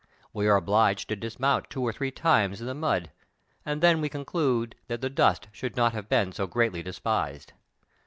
We are obliged to dismount two or three times in the mud, and then we conclude that the dust should not have been so greatly despised.